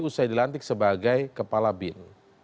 usai dilantik sebagai kepala bin